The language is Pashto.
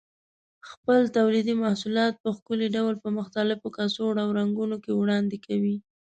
خپل تولیدي محصولات په ښکلي ډول په مختلفو کڅوړو او رنګونو کې وړاندې کوي.